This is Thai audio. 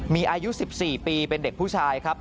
มีอายุ๑๔ปีเป็นเด็กผู้ชายครับ